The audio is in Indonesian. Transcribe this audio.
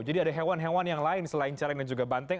ada hewan hewan yang lain selain cereng dan juga banteng